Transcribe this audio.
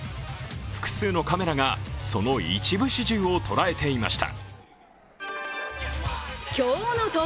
複数のカメラが、その一部始終を捉えていました。